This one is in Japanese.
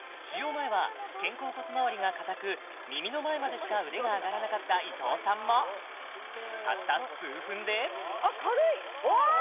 前は肩甲骨まわりが硬く耳の前までしか腕が上がらなかった伊藤さんもたった数分であっ軽いわあ！